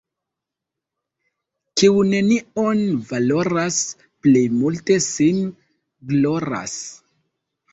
Kiu nenion valoras, plej multe sin gloras.